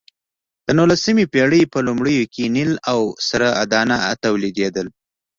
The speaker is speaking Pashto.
د نولسمې پېړۍ په لومړیو کې نیل او سره دانه تولیدېدل.